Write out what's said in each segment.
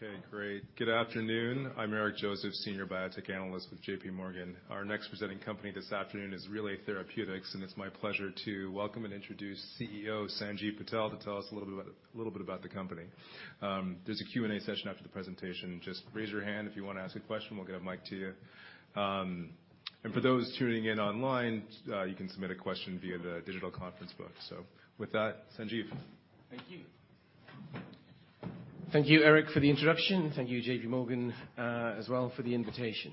Okay, great. Good afternoon. I'm Eric Joseph, Senior Biotech Analyst with JPMorgan. Our next presenting company this afternoon is Relay Therapeutics. It's my pleasure to welcome and introduce CEO Sanjiv Patel to tell us a little bit about the company. There's a Q&A session after the presentation. Just raise your hand if you wanna ask a question, we'll get a mic to you. For those tuning in online, you can submit a question via the digital conference book. With that, Sanjiv. Thank you. Thank you, Eric, for the introduction. Thank you, JPMorgan, as well for the invitation.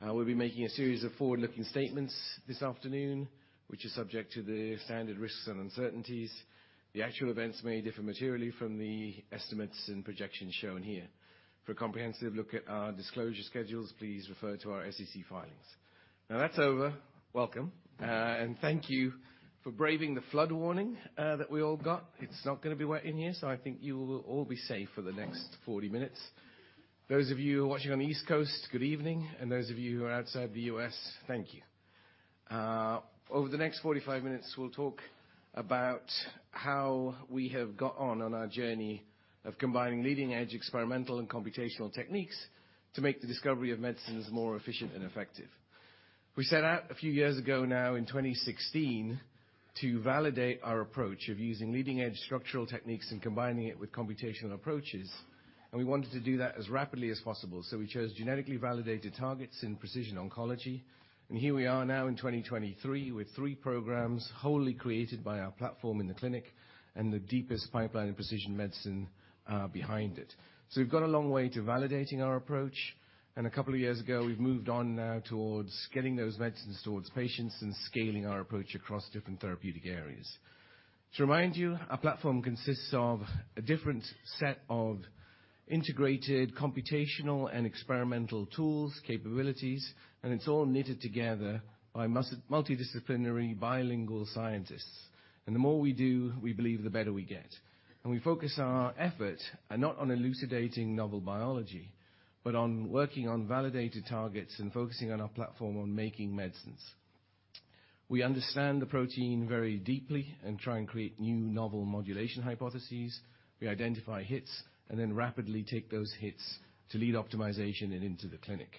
We'll be making a series of forward-looking statements this afternoon, which are subject to the standard risks and uncertainties. The actual events may differ materially from the estimates and projections shown here. For a comprehensive look at our disclosure schedules, please refer to our SEC filings. That's over, welcome, and thank you for braving the flood warning that we all got. It's not gonna be wet in here, so I think you will all be safe for the next 40 minutes. Those of you watching on the East Coast, good evening, and those of you who are outside the U.S., thank you. Over the next 45 minutes, we'll talk about how we have got on on our journey of combining leading-edge experimental and computational techniques to make the discovery of medicines more efficient and effective. We set out a few years ago now in 2016 to validate our approach of using leading-edge structural techniques and combining it with computational approaches, and we wanted to do that as rapidly as possible, so we chose genetically validated targets in precision oncology. Here we are now in 2023 with 3 programs wholly created by our platform in the clinic and the deepest pipeline in precision medicine behind it. We've gone a long way to validating our approach, and a couple of years ago, we've moved on now towards getting those medicines towards patients and scaling our approach across different therapeutic areas. To remind you, our platform consists of a different set of integrated computational and experimental tools, capabilities, and it's all knitted together by multidisciplinary bilingual scientists. The more we do, we believe the better we get. We focus our effort and not on elucidating novel biology, but on working on validated targets and focusing on our platform on making medicines. We understand the protein very deeply and try and create new novel modulation hypotheses. We identify hits and then rapidly take those hits to lead optimization and into the clinic.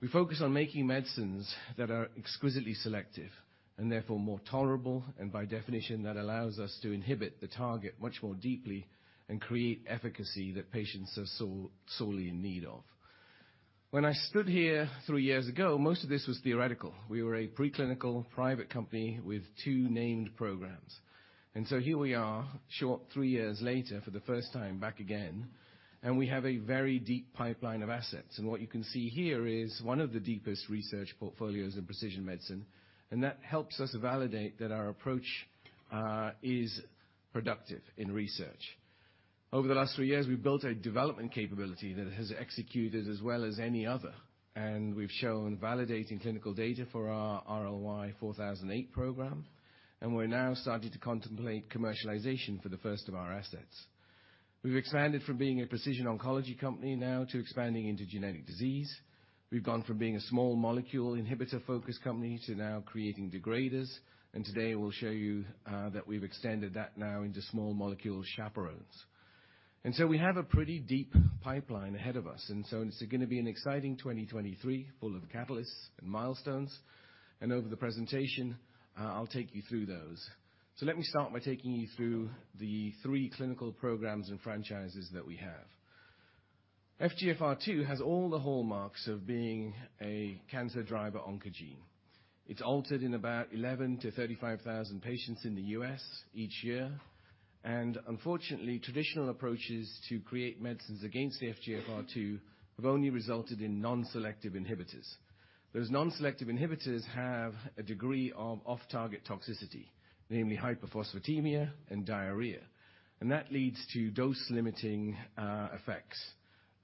We focus on making medicines that are exquisitely selective and therefore more tolerable, and by definition, that allows us to inhibit the target much more deeply and create efficacy that patients are so sorely in need of. When I stood here three years ago, most of this was theoretical. We were a preclinical private company with two named programs. Here we are, short three years later, for the first time back again, and we have a very deep pipeline of assets. What you can see here is one of the deepest research portfolios in precision medicine, and that helps us validate that our approach is productive in research. Over the last three years, we've built a development capability that has executed as well as any other, and we've shown validating clinical data for our RLY-4008 program, and we're now starting to contemplate commercialization for the first of our assets. We've expanded from being a precision oncology company now to expanding into genetic disease. We've gone from being a small molecule inhibitor-focused company to now creating degraders, and today we'll show you that we've extended that now into small molecule chaperones. We have a pretty deep pipeline ahead of us, and so it's gonna be an exciting 2023 full of catalysts and milestones. Over the presentation, I'll take you through those. Let me start by taking you through the three clinical programs and franchises that we have. FGFR2 has all the hallmarks of being a cancer driver oncogene. It's altered in about 11,000-35,000 patients in the U.S. each year. Unfortunately, traditional approaches to create medicines against FGFR2 have only resulted in non-selective inhibitors. Those non-selective inhibitors have a degree of off-target toxicity, namely hyperphosphatemia and diarrhea, and that leads to dose-limiting effects.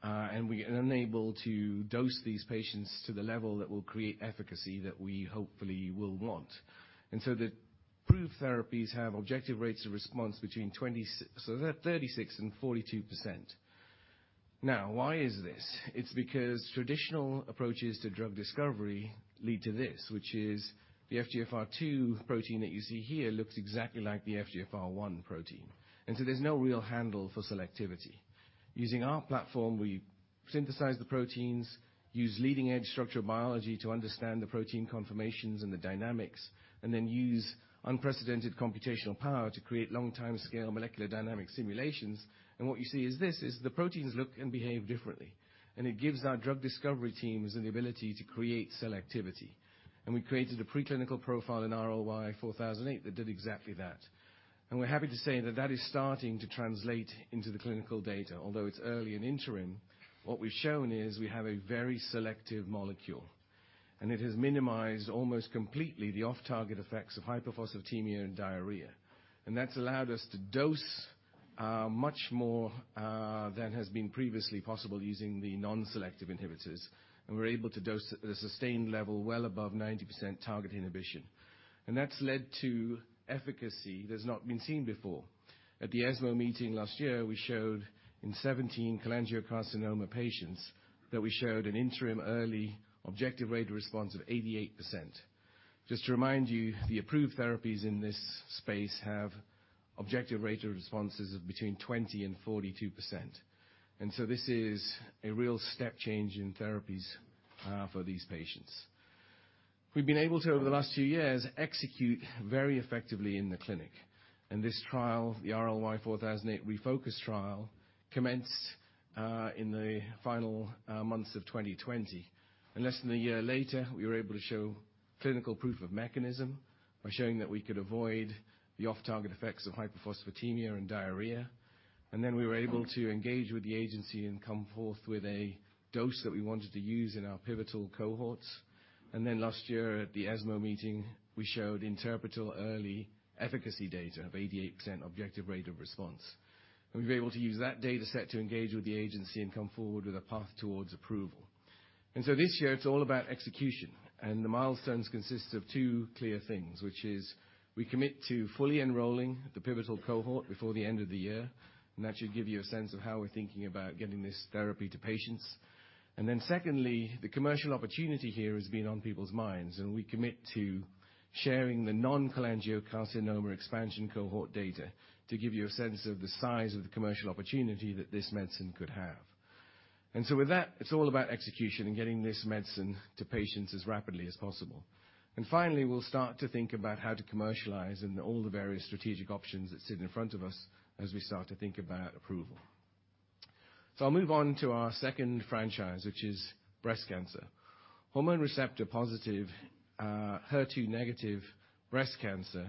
We are unable to dose these patients to the level that will create efficacy that we hopefully will want. The proof therapies have objective rates of response between 36% and 42%. Why is this? It's because traditional approaches to drug discovery lead to this, which is the FGFR2 protein that you see here looks exactly like the FGFR1 protein. There's no real handle for selectivity. Using our platform, we synthesize the proteins, use leading-edge structural biology to understand the protein conformations and the dynamics, then use unprecedented computational power to create long time scale molecular dynamics simulations. What you see is this, is the proteins look and behave differently. It gives our drug discovery teams the ability to create selectivity. We created a preclinical profile in RLY-4008 that did exactly that. We're happy to say that that is starting to translate into the clinical data. Although it's early in interim, what we've shown is we have a very selective molecule, and it has minimized almost completely the off-target effects of hyperphosphatemia and diarrhea. That's allowed us to dose much more than has been previously possible using the non-selective inhibitors, and we're able to dose at a sustained level well above 90% target inhibition. That's led to efficacy that's not been seen before. At the ESMO meeting last year, we showed in 17 cholangiocarcinoma patients that we showed an interim early objective rate of response of 88%. Just to remind you, the approved therapies in this space have objective rate of responses of between 20% and 42%. This is a real step change in therapies for these patients. We've been able to, over the last few years, execute very effectively in the clinic. This trial, the RLY-4008 ReFocus trial, commenced in the final months of 2020. Less than a year later, we were able to show clinical proof of mechanism by showing that we could avoid the off-target effects of hypophosphatemia and diarrhea. We were able to engage with the agency and come forth with a dose that we wanted to use in our pivotal cohorts. Last year at the ESMO meeting, we showed interpretable early efficacy data of 88% objective rate of response. We were able to use that data set to engage with the agency and come forward with a path towards approval. This year it's all about execution, and the milestones consist of two clear things, which is we commit to fully enrolling the pivotal cohort before the end of the year, and that should give you a sense of how we're thinking about getting this therapy to patients. Secondly, the commercial opportunity here has been on people's minds. We commit to sharing the non-cholangiocarcinoma expansion cohort data to give you a sense of the size of the commercial opportunity that this medicine could have. With that, it's all about execution and getting this medicine to patients as rapidly as possible. Finally, we'll start to think about how to commercialize and all the various strategic options that sit in front of us as we start to think about approval. I'll move on to our second franchise, which is breast cancer. Hormone receptor-positive, HER2-negative breast cancer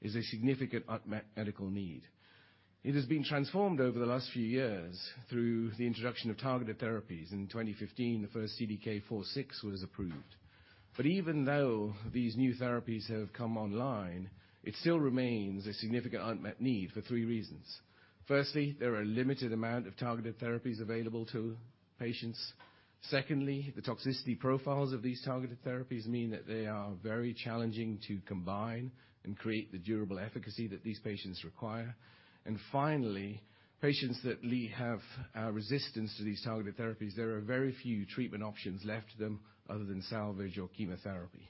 is a significant unmet medical need. It has been transformed over the last few years through the introduction of targeted therapies. In 2015, the first CDK4/6 was approved. Even though these new therapies have come online, it still remains a significant unmet need for three reasons. Firstly, there are a limited amount of targeted therapies available to patients. Secondly, the toxicity profiles of these targeted therapies mean that they are very challenging to combine and create the durable efficacy that these patients require. Finally, patients that have resistance to these targeted therapies, there are very few treatment options left to them other than salvage or chemotherapy.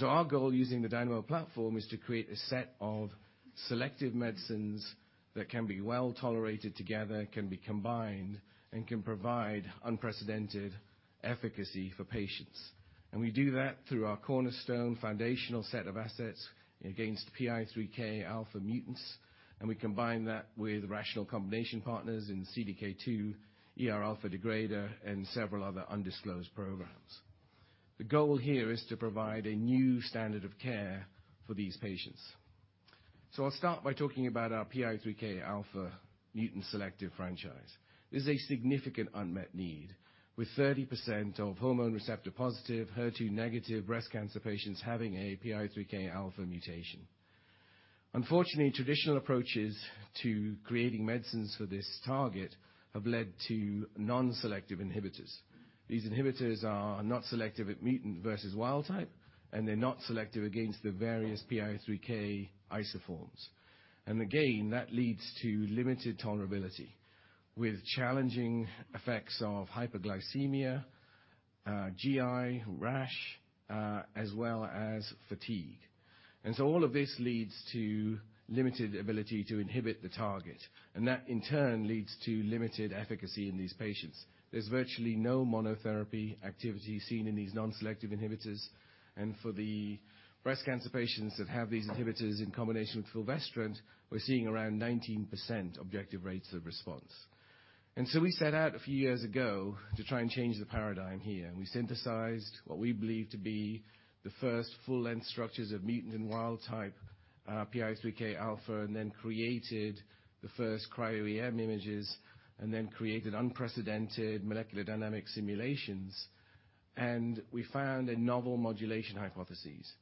Our goal using the Dynamo platform is to create a set of selective medicines that can be well-tolerated together, can be combined, and can provide unprecedented efficacy for patients. We do that through our cornerstone foundational set of assets against PI3Kα mutants, and we combine that with rational combination partners in CDK2, ERα degrader, and several other undisclosed programs. The goal here is to provide a new standard of care for these patients. I'll start by talking about our PI3Kα mutant selective franchise. This is a significant unmet need, with 30% of hormone receptor-positive, HER2-negative breast cancer patients having a PI3Kα mutation. Unfortunately, traditional approaches to creating medicines for this target have led to non-selective inhibitors. These inhibitors are not selective at mutant versus wild type, and they're not selective against the various PI3K isoforms. Again, that leads to limited tolerability, with challenging effects of hyperglycemia, GI, rash, as well as fatigue. All of this leads to limited ability to inhibit the target, and that in turn leads to limited efficacy in these patients. There's virtually no monotherapy activity seen in these non-selective inhibitors, and for the breast cancer patients that have these inhibitors in combination with fulvestrant, we're seeing around 19% objective rates of response. We set out a few years ago to try and change the paradigm here. We synthesized what we believe to be the first full-length structures of mutant and wild type PI3Kα, and then created the first Cryo-EM images, and then created unprecedented molecular dynamics simulations. Actually, we found a novel modulation hypothesis.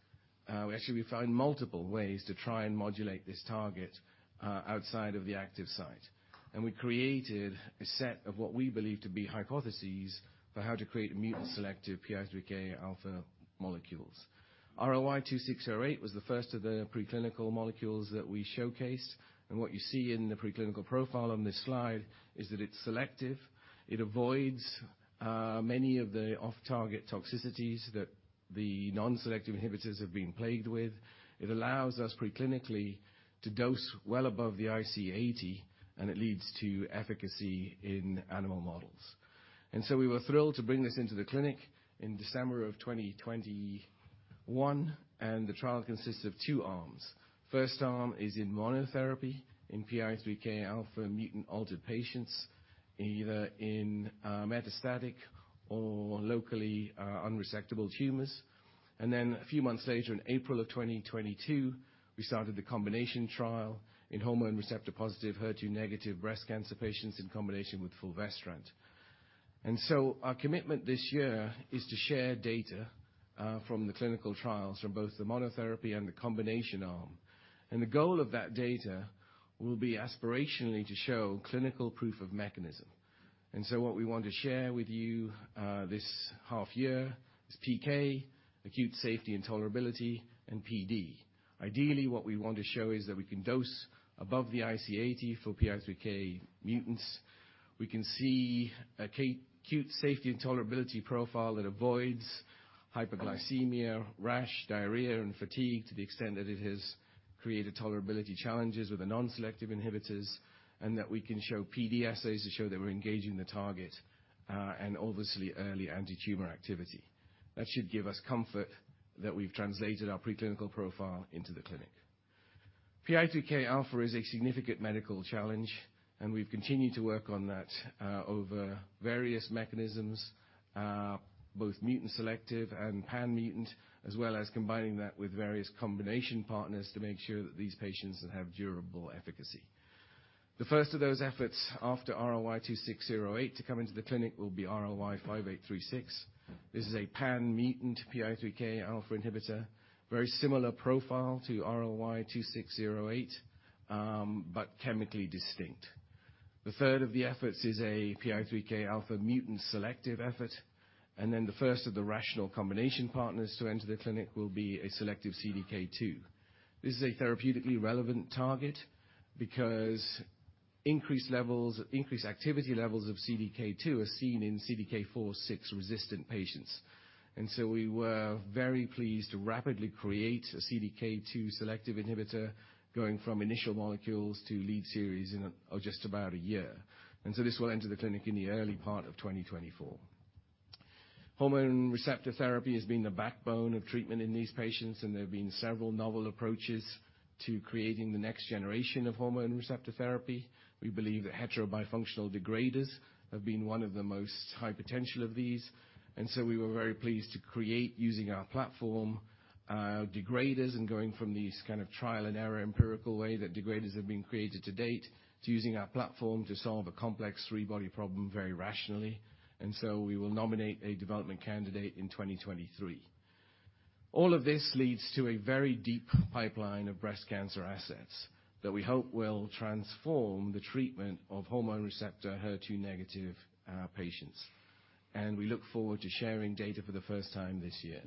Actually, we found multiple ways to try and modulate this target outside of the active site. We created a set of what we believe to be hypotheses for how to create mutant-selective PI3Kα molecules. RLY-2608 was the first of the preclinical molecules that we showcased. What you see in the preclinical profile on this slide is that it's selective. It avoids many of the off-target toxicities that the non-selective inhibitors have been plagued with. It allows us preclinically to dose well above the IC80, and it leads to efficacy in animal models. We were thrilled to bring this into the clinic in December of 2021, and the trial consists of two arms. First arm is in monotherapy in PI3Kα mutant altered patients, either in metastatic or locally unresectable tumors. A few months later, in April of 2022, we started the combination trial in hormone receptor-positive, HER2-negative breast cancer patients in combination with fulvestrant. Our commitment this year is to share data from the clinical trials from both the monotherapy and the combination arm. The goal of that data will be aspirationally to show clinical proof of mechanism. What we want to share with you this half year is PK, acute safety and tolerability, and PD. Ideally, what we want to show is that we can dose above the IC80 for PI3K mutants. We can see acute safety and tolerability profile that avoids hyperglycemia, rash, diarrhea, and fatigue to the extent that it has created tolerability challenges with the non-selective inhibitors. That we can show PD assays to show that we're engaging the target, and obviously early antitumor activity. That should give us comfort that we've translated our preclinical profile into the clinic. PI3Kα is a significant medical challenge, we've continued to work on that over various mechanisms, both mutant selective and pan-mutant, as well as combining that with various combination partners to make sure that these patients have durable efficacy. The first of those efforts after RLY-2608 to come into the clinic will be RLY-5836. This is a pan-mutant PI3Kα inhibitor, very similar profile to RLY-2608, but chemically distinct. The third of the efforts is a PI3Kα mutant selective effort, the first of the rational combination partners to enter the clinic will be a selective CDK2. This is a therapeutically relevant target because increased levels... Increased activity levels of CDK2 are seen in CDK4/6-resistant patients. We were very pleased to rapidly create a CDK2 selective inhibitor going from initial molecules to lead series in just about a year. This will enter the clinic in the early part of 2024. Hormone receptor therapy has been the backbone of treatment in these patients, and there have been several novel approaches to creating the next generation of hormone receptor therapy. We believe that heterobifunctional degraders have been one of the most high potential of these, and so we were very pleased to create, using our platform, degraders and going from these kind of trial-and-error empirical way that degraders have been created to date to using our platform to solve a complex three-body problem very rationally. We will nominate a development candidate in 2023. All of this leads to a very deep pipeline of breast cancer assets that we hope will transform the treatment of hormone receptor HER2 negative patients. We look forward to sharing data for the first time this year.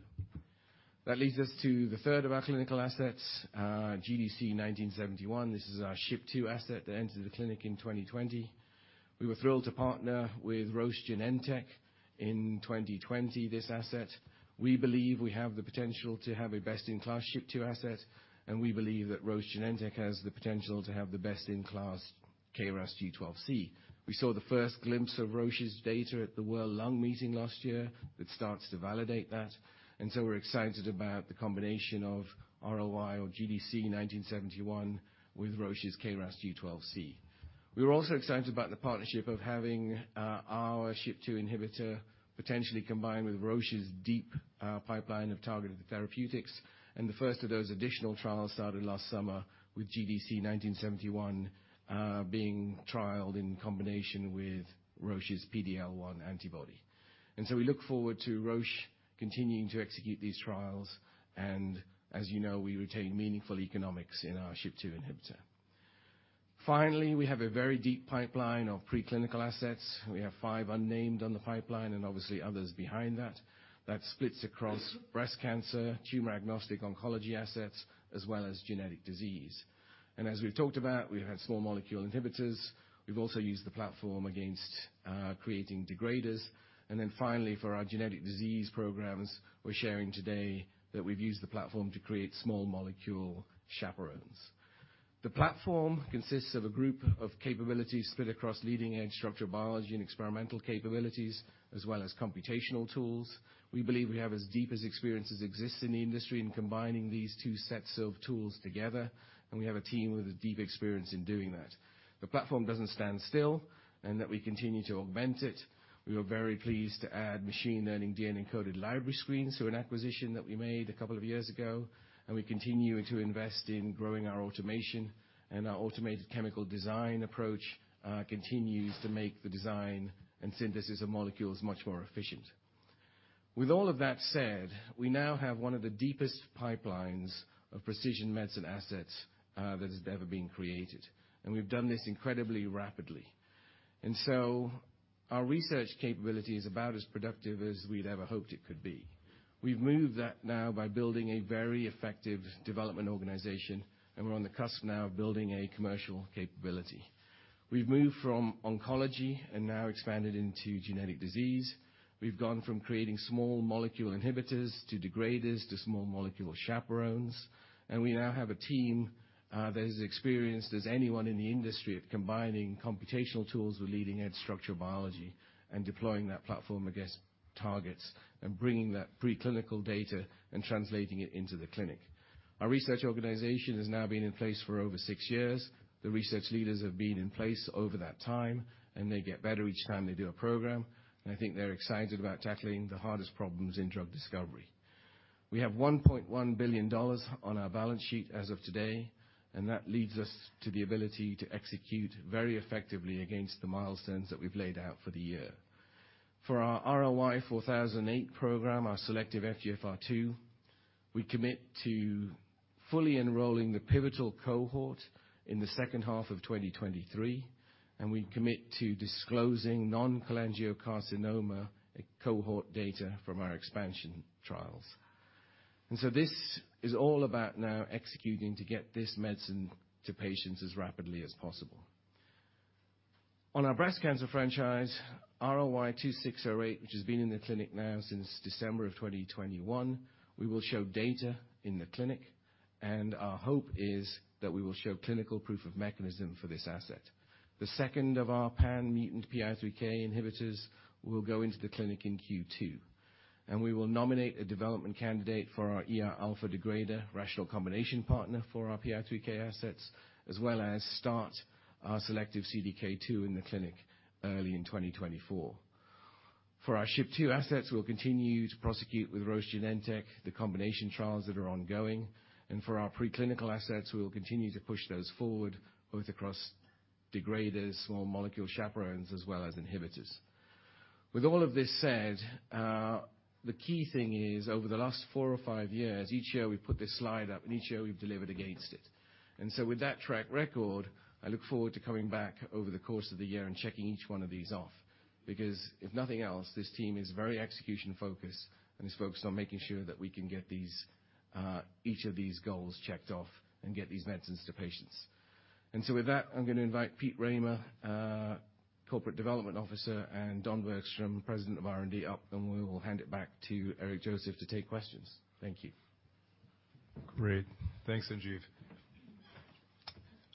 That leads us to the third of our clinical assets, RLY-1971. This is our SHP2 asset that entered the clinic in 2020. We were thrilled to partner with Roche Genentech in 2020, this asset. We believe we have the potential to have a best-in-class SHP2 asset, and we believe that Roche Genentech has the potential to have the best-in-class KRAS G12C. We saw the first glimpse of Roche's data at the World Conference on Lung Cancer last year that starts to validate that. We're excited about the combination of RLY or RLY-1971 with Roche's KRAS G12C. We're also excited about the partnership of having our SHP2 inhibitor potentially combined with Roche's deep pipeline of targeted therapeutics. The first of those additional trials started last summer with GDC-1971 being trialed in combination with Roche's PDL1 antibody. We look forward to Roche continuing to execute these trials, and as you know, we retain meaningful economics in our SHP2 inhibitor. Finally, we have a very deep pipeline of preclinical assets. We have five unnamed on the pipeline and obviously others behind that. That splits across breast cancer, tumor-agnostic oncology assets, as well as genetic disease. As we've talked about, we've had small molecule inhibitors. We've also used the platform against creating degraders. Finally, for our genetic disease programs, we're sharing today that we've used the platform to create small molecule chaperones. The platform consists of a group of capabilities split across leading-edge structural biology and experimental capabilities, as well as computational tools. We believe we have as deep as experience as exists in the industry in combining these two sets of tools together, and we have a team with a deep experience in doing that. The platform doesn't stand still and that we continue to augment it. We were very pleased to add machine learning DNA-encoded library screen, so an acquisition that we made a couple of years ago, and we continue to invest in growing our automation and our automated chemical design approach, continues to make the design and synthesis of molecules much more efficient. With all of that said, we now have one of the deepest pipelines of precision medicine assets, that has ever been created, and we've done this incredibly rapidly. Our research capability is about as productive as we'd ever hoped it could be. We've moved that now by building a very effective development organization, and we're on the cusp now of building a commercial capability. We've moved from oncology and now expanded into genetic disease. We've gone from creating small molecule inhibitors to degraders to small molecule chaperones, and we now have a team that is as experienced as anyone in the industry of combining computational tools with leading-edge structural biology and deploying that platform against targets and bringing that preclinical data and translating it into the clinic. Our research organization has now been in place for over six years. The research leaders have been in place over that time, and they get better each time they do a program. I think they're excited about tackling the hardest problems in drug discovery. We have $1.1 billion on our balance sheet as of today. That leads us to the ability to execute very effectively against the milestones that we've laid out for the year. For our RLY-4008 program, our selective FGFR2, we commit to fully enrolling the pivotal cohort in the second half of 2023. We commit to disclosing non-cholangiocarcinoma cohort data from our expansion trials. This is all about now executing to get this medicine to patients as rapidly as possible. On our breast cancer franchise, RLY-2608, which has been in the clinic now since December of 2021, we will show data in the clinic. Our hope is that we will show clinical proof of mechanism for this asset. The second of our pan-mutant PI3K inhibitors will go into the clinic in Q2. We will nominate a development candidate for our ERα degrader, rational combination partner for our PI3K assets, as well as start our selective CDK2 in the clinic early in 2024. For our SHP2 assets, we'll continue to prosecute with Roche Genentech, the combination trials that are ongoing, and for our preclinical assets, we will continue to push those forward, both across degraders, small molecule chaperones, as well as inhibitors. With all of this said, the key thing is over the last four or five years, each year we put this slide up, and each year we've delivered against it. With that track record, I look forward to coming back over the course of the year and checking each one of these off. If nothing else, this team is very execution-focused and is focused on making sure that we can get these, each of these goals checked off and get these medicines to patients. With that, I'm gonna invite Pete Rahmer, Corporate Development Officer, and Don Bergstrom, President of R&D, up. We will hand it back to Eric Joseph to take questions. Thank you. Great. Thanks, Sanjiv.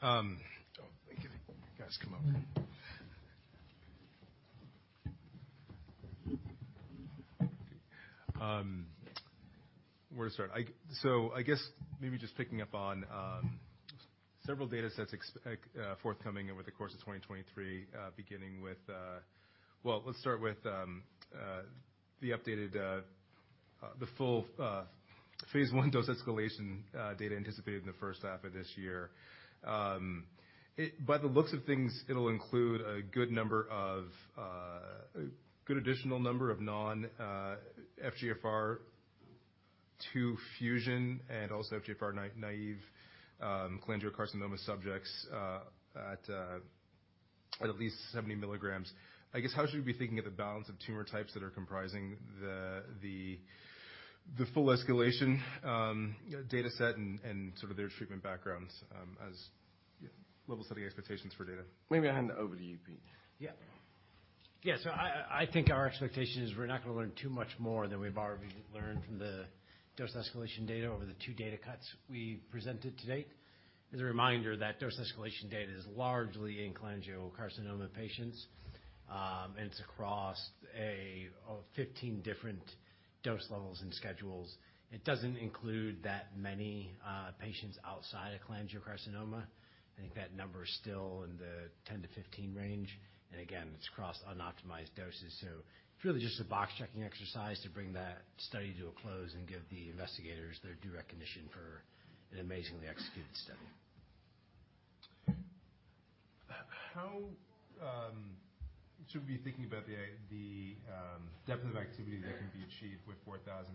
Oh, thank you. You guys come up. Where to start? I guess maybe just picking up on several data sets like forthcoming over the course of 2023, beginning with. Well, let's start with the updated, the full phase 1 dose escalation data anticipated in the first half of this year. By the looks of things, it'll include a good number of good additional number of non-FGFR2 fusion and also FGFR naive cholangiocarcinoma subjects at at least 70 milligrams. I guess, how should we be thinking of the balance of tumor types that are comprising the full escalation, you know, data set and sort of their treatment backgrounds, as, you know, level setting expectations for data? Maybe I hand it over to you, Pete. Yeah. Yeah, I think our expectation is we're not gonna learn too much more than we've already learned from the dose escalation data over the two data cuts we presented to date. As a reminder, that dose escalation data is largely in cholangiocarcinoma patients, and it's across 15 different dose levels and schedules. It doesn't include that many patients outside of cholangiocarcinoma. I think that number is still in the 10-15 range, again, it's across unoptimized doses. It's really just a box-checking exercise to bring that study to a close and give the investigators their due recognition for an amazingly executed study. How should we be thinking about the depth of activity that can be achieved with 4008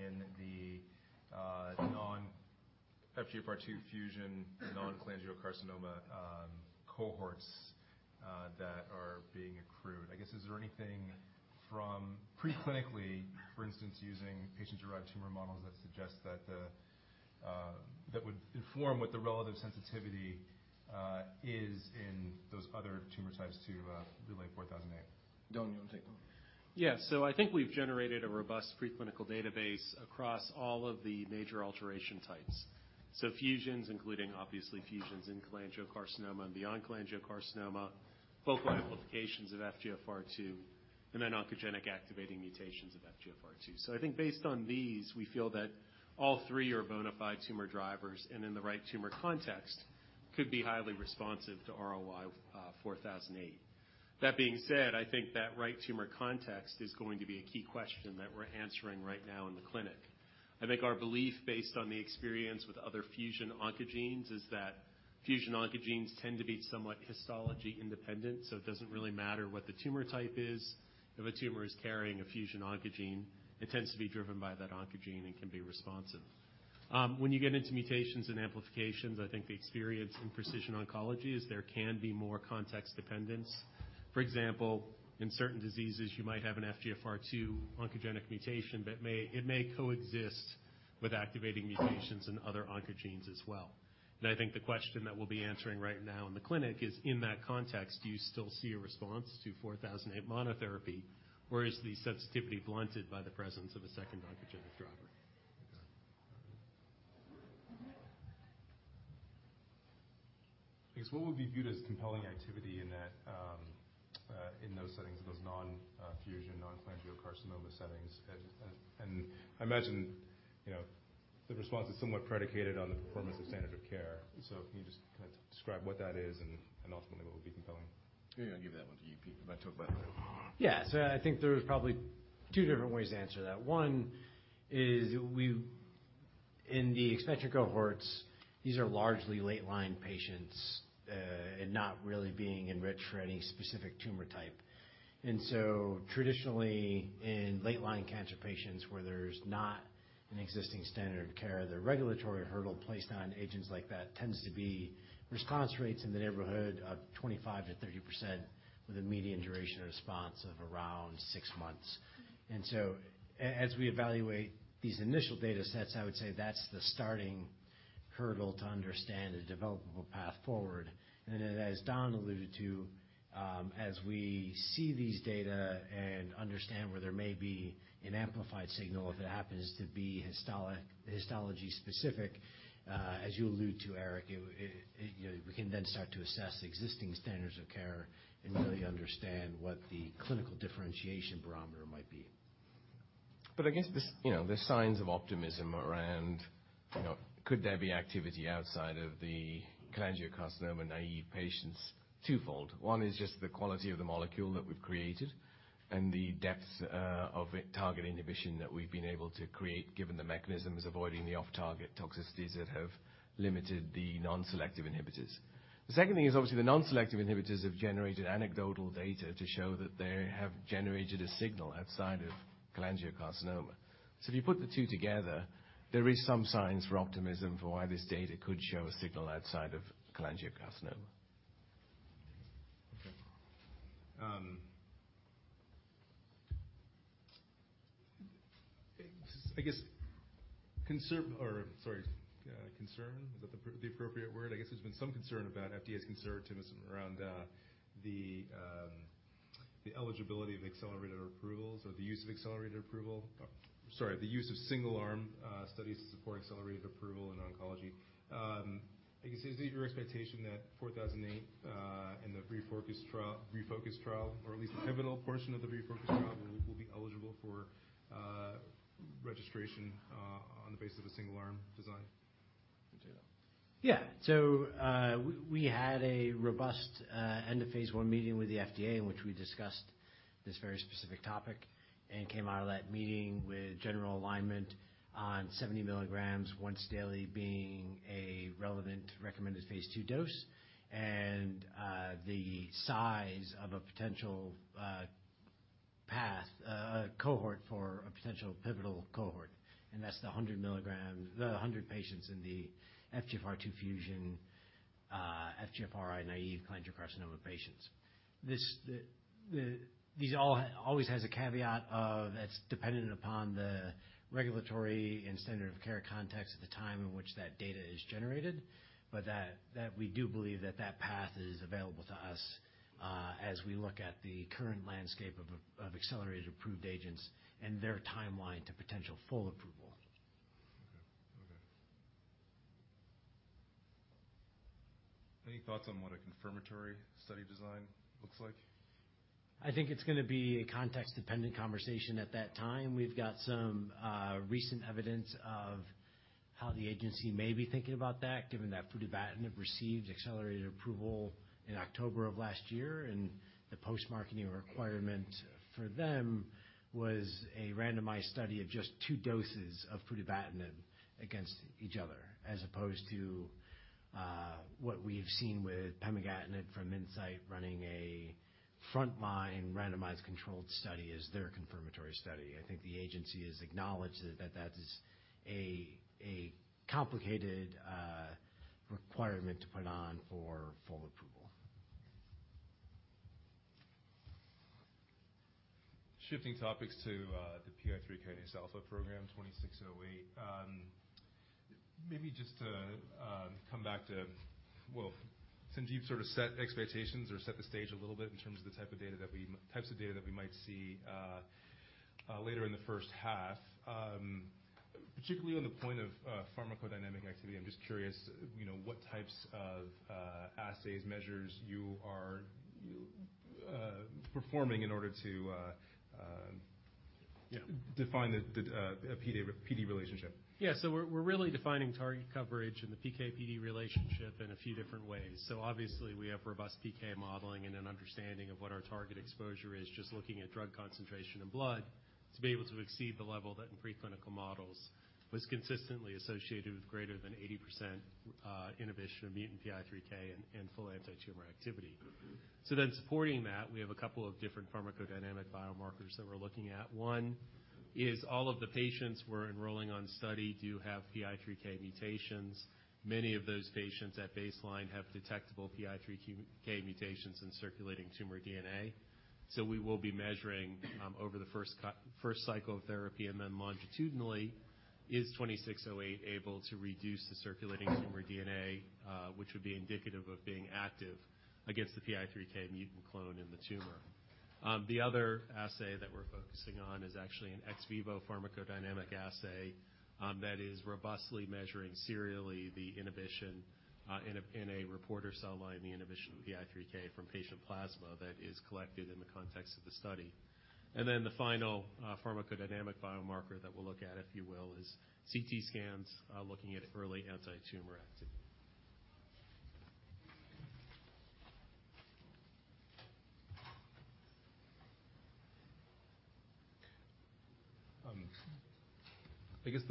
in the non-FGFR2 fusion, non-cholangiocarcinoma cohorts that are being accrued? I guess, is there anything from pre-clinically, for instance, using patient-derived tumor models that suggest that would inform what the relative sensitivity is in those other tumor types to Relay 4008? Don, you wanna take that one? Yeah. I think we've generated a robust preclinical database across all of the major alteration types. Fusions, including obviously fusions in cholangiocarcinoma and beyond cholangiocarcinoma, focal amplifications of FGFR2, and then oncogenic activating mutations of FGFR2. I think based on these, we feel that all three are bona fide tumor drivers, and in the right tumor context could be highly responsive to RLY-4008. That being said, I think that right tumor context is going to be a key question that we're answering right now in the clinic. I think our belief based on the experience with other fusion oncogenes is that fusion oncogenes tend to be somewhat histology independent, so it doesn't really matter what the tumor type is. If a tumor is carrying a fusion oncogene, it tends to be driven by that oncogene and can be responsive. When you get into mutations and amplifications, I think the experience in precision oncology is there can be more context dependence. For example, in certain diseases, you might have an FGFR2 oncogenic mutation that may coexist with activating mutations in other oncogenes as well. I think the question that we'll be answering right now in the clinic is, in that context, do you still see a response to 4008 monotherapy, or is the sensitivity blunted by the presence of a second oncogenic driver? I guess what would be viewed as compelling activity in that, in those settings, those non-fusion, non-cholangiocarcinoma settings? I imagine, you know, the response is somewhat predicated on the performance of standard of care. Can you just kind of describe what that is and ultimately what would be compelling? Maybe I'll give that one to you, Pete. You might talk about it. Yeah. I think there's probably two different ways to answer that. One is in the expansion cohorts, these are largely late-line patients, and not really being enriched for any specific tumor type. Traditionally, in late-line cancer patients where there's not an existing standard of care, the regulatory hurdle placed on agents like that tends to be response rates in the neighborhood of 25%-30% with a median duration of response of around six months. As we evaluate these initial data sets, I would say that's the starting hurdle to understand the developable path forward. As Don alluded to, as we see these data and understand where there may be an amplified signal, if it happens to be histology specific, as you allude to, Eric, it, you know, we can then start to assess existing standards of care and really understand what the clinical differentiation barometer might be. I guess this, you know, the signs of optimism around, you know, could there be activity outside of the cholangiocarcinoma naive patients twofold. One is just the quality of the molecule that we've created and the depth of a target inhibition that we've been able to create, given the mechanisms avoiding the off target toxicities that have limited the non-selective inhibitors. The second thing is, obviously, the non-selective inhibitors have generated anecdotal data to show that they have generated a signal outside of cholangiocarcinoma. If you put the two together, there is some signs for optimism for why this data could show a signal outside of cholangiocarcinoma. Okay. I guess concern or sorry, concern, is that the appropriate word? I guess there's been some concern about FDA's conservatism around the eligibility of accelerated approvals or the use of accelerated approval. Sorry, the use of single-arm studies to support accelerated approval in oncology. I guess is it your expectation that 4008 and the ReFocus trial, or at least the pivotal portion of the ReFocus trial will be eligible for registration on the basis of a single-arm design? We had a robust end of phase I meeting with the FDA in which we discussed this very specific topic and came out of that meeting with general alignment on 70 mg once daily being a relevant recommended phase two dose and the size of a potential path cohort for a potential pivotal cohort, and that's the 100 patients in the FGFR2 fusion, FGFR1 naive cholangiocarcinoma patients. This always has a caveat of that's dependent upon the regulatory and standard of care context at the time in which that data is generated. We do believe that path is available to us as we look at the current landscape of accelerated approved agents and their timeline to potential full approval. Okay. Any thoughts on what a confirmatory study design looks like? I think it's gonna be a context-dependent conversation at that time. We've got some recent evidence of how the agency may be thinking about that, given that futibatinib received accelerated approval in October of last year, and the post-marketing requirement for them was a randomized study of just two doses of futibatinib against each other, as opposed to what we've seen with pemigatinib from Incyte running a frontline randomized controlled study as their confirmatory study. I think the agency has acknowledged that is a complicated requirement to put on for full approval. Shifting topics to the PI3Kα program, 2608. Maybe just to come back to, well, Sanjiv sort of set expectations or set the stage a little bit in terms of the types of data that we might see later in the 1st half. Particularly on the point of pharmacodynamic activity, I'm just curious, you know, what types of assays, measures you are performing in order to define the PD relationship. Yeah. We're really defining target coverage and the PK/PD relationship in a few different ways. Obviously, we have robust PK modeling and an understanding of what our target exposure is just looking at drug concentration in blood to be able to exceed the level that in preclinical models was consistently associated with greater than 80% inhibition of mutant PI3K and full antitumor activity. Supporting that, we have a couple of different pharmacodynamic biomarkers that we're looking at. One is all of the patients we're enrolling on study do have PI3K mutations. Many of those patients at baseline have detectable PI3K mutations in circulating tumor DNA. We will be measuring, over the first cycle of therapy and then longitudinally, is RLY-2608 able to reduce the circulating tumor DNA, which would be indicative of being active against the PI3K mutant clone in the tumor. The other assay that we're focusing on is actually an ex vivo pharmacodynamic assay, that is robustly measuring serially the inhibition, in a reporter cell line, the inhibition of PI3K from patient plasma that is collected in the context of the study. The final, pharmacodynamic biomarker that we'll look at, if you will, is CT scans, looking at early antitumor activity. I guess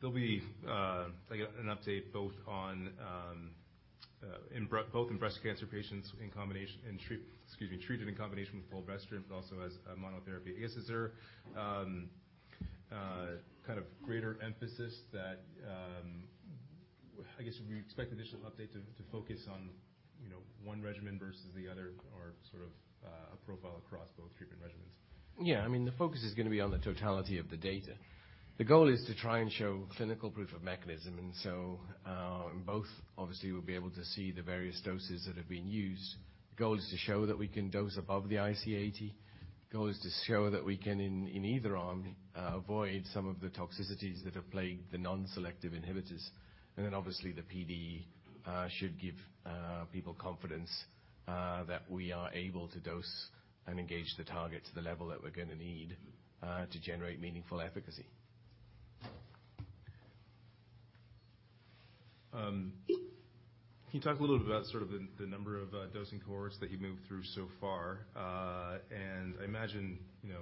there'll be an update both on both in breast cancer patients in combination and treated in combination with fulvestrant, but also as a monotherapy. I guess, is there kind of greater emphasis that I guess would we expect initial update to focus on, you know, one regimen versus the other or sort of a profile across both treatment regimens? Yeah. I mean, the focus is gonna be on the totality of the data. The goal is to try and show clinical proof of mechanism. In both, obviously, we'll be able to see the various doses that have been used. The goal is to show that we can dose above the IC80. Goal is to show that we can in either arm. Avoid some of the toxicities that have plagued the non-selective inhibitors. Obviously the PD should give people confidence that we are able to dose and engage the target to the level that we're gonna need to generate meaningful efficacy. Can you talk a little bit about sort of the number of dosing cohorts that you moved through so far? I imagine, you know,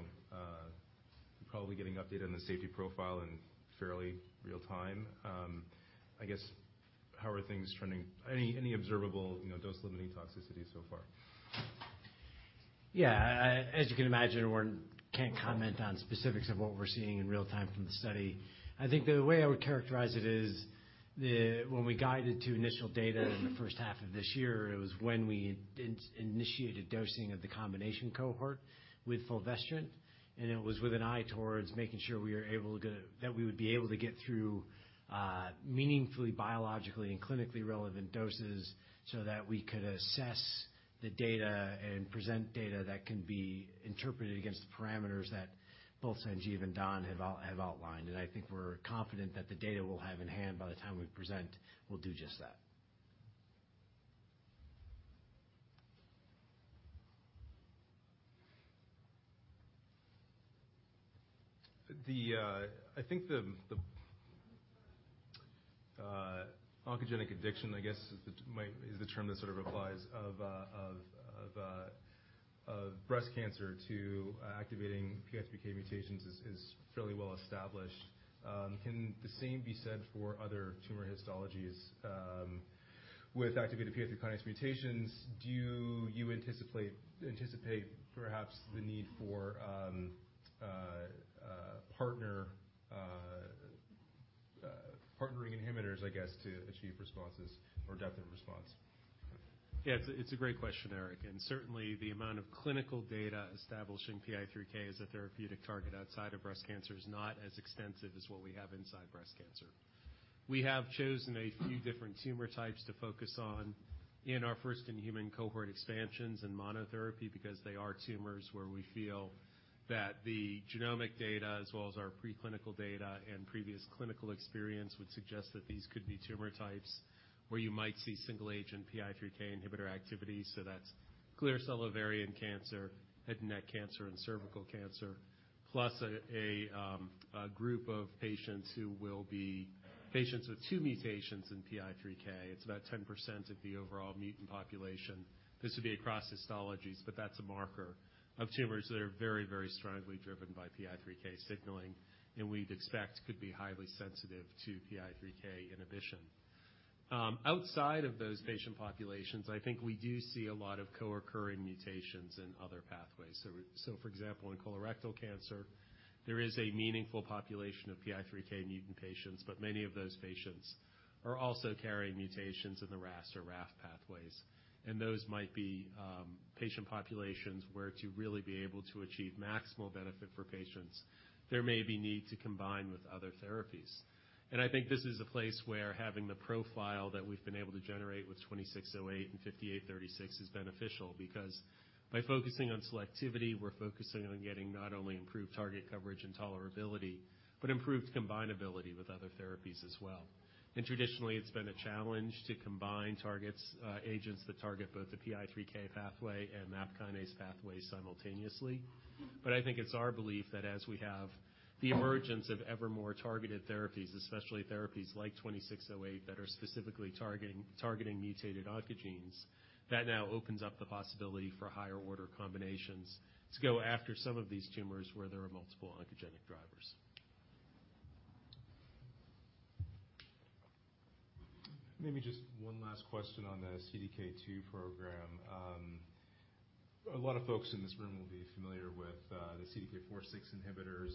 probably getting updated on the safety profile in fairly real time. I guess how are things trending? Any, any observable, you know, dose-limiting toxicity so far? Yeah. As you can imagine, we can't comment on specifics of what we're seeing in real time from the study. I think the way I would characterize it is the when we guided to initial data in the first half of this year, it was when we initiated dosing of the combination cohort with fulvestrant, and it was with an eye towards making sure that we would be able to get through meaningfully biologically and clinically relevant doses so that we could assess the data and present data that can be interpreted against the parameters that both Sanjiv and Don have outlined. I think we're confident that the data we'll have in hand by the time we present will do just that. I think the oncogenic addiction, I guess, is the term that sort of applies of breast cancer to activating PI3K mutations is fairly well established. Can the same be said for other tumor histologies, with activated PI3 kinase mutations, do you anticipate perhaps the need for partner partnering inhibitors, I guess, to achieve responses or depth of response? Yeah, it's a great question, Eric, and certainly the amount of clinical data establishing PI3K as a therapeutic target outside of breast cancer is not as extensive as what we have inside breast cancer. We have chosen a few different tumor types to focus on in our first in-human cohort expansions and monotherapy because they are tumors where we feel that the genomic data as well as our preclinical data and previous clinical experience would suggest that these could be tumor types where you might see single agent PI3K inhibitor activity, so that's clear cell ovarian cancer, head and neck cancer, and cervical cancer, plus a group of patients who will be patients with two mutations in PI3K. It's about 10% of the overall mutant population. This would be across histologies, but that's a marker of tumors that are very, very strongly driven by PI3K signaling, and we'd expect could be highly sensitive to PI3K inhibition. Outside of those patient populations, I think we do see a lot of co-occurring mutations in other pathways. For example, in colorectal cancer, there is a meaningful population of PI3K mutant patients, but many of those patients are also carrying mutations in the RAS or RAF pathways, and those might be patient populations where to really be able to achieve maximal benefit for patients, there may be need to combine with other therapies. I think this is a place where having the profile that we've been able to generate with RLY-2608 and RLY-5836 is beneficial because by focusing on selectivity, we're focusing on getting not only improved target coverage and tolerability, but improved combinability with other therapies as well. Traditionally it's been a challenge to combine agents that target both the PI3K pathway and MAP kinase pathway simultaneously. I think it's our belief that as we have the emergence of evermore targeted therapies, especially therapies like RLY-2608, that are specifically targeting mutated oncogenes, that now opens up the possibility for higher order combinations to go after some of these tumors where there are multiple oncogenic drivers. Maybe just one last question on the CDK2 program. A lot of folks in this room will be familiar with the CDK4/6 inhibitors.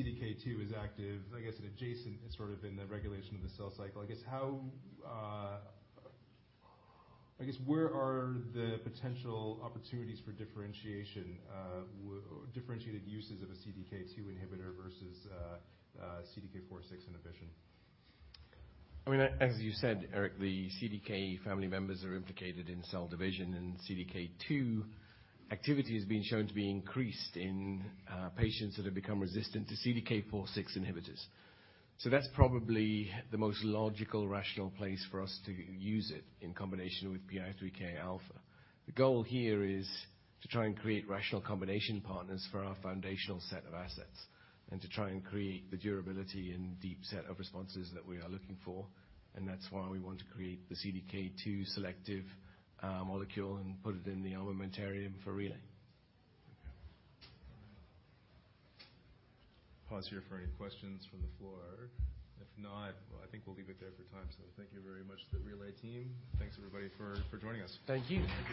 CDK2 is active, I guess, an adjacent sort of in the regulation of the cell cycle. I guess where are the potential opportunities for differentiation, or differentiated uses of a CDK2 inhibitor versus a CDK4/6 inhibition? I mean, as you said, Eric, the CDK family members are implicated in cell division, and CDK2 activity has been shown to be increased in patients that have become resistant to CDK4/6 inhibitors. That's probably the most logical, rational place for us to use it in combination with PI3Kα. The goal here is to try and create rational combination partners for our foundational set of assets, and to try and create the durability and deep set of responses that we are looking for, and that's why we want to create the CDK2 selective molecule and put it in the armamentarium for Relay Therapeutics. Pause here for any questions from the floor. If not, well, I think we'll leave it there for time. Thank you very much to the Relay team. Thanks, everybody for joining us. Thank you.